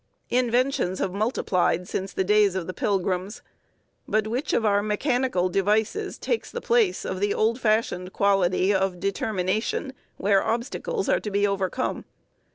Inventions have multiplied since the days of the Pilgrims, but which of our mechanical devices takes the place of the old fashioned quality of determination where obstacles are to be overcome?